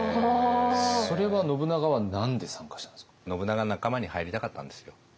それは信長は何で参加したんですか？